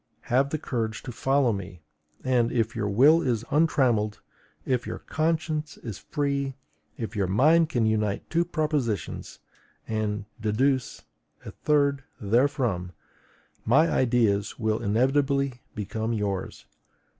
Have the courage to follow me; and, if your will is untrammelled, if your conscience is free, if your mind can unite two propositions and deduce a third therefrom, my ideas will inevitably become yours.